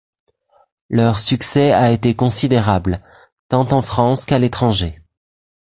Leur succès a été considérable, tant en France qu’à l’étranger.